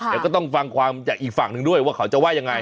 แต่ก็ต้องฟังความจากอีกฝั่งนึงด้วยว่าเขาจะไหว้ยังไง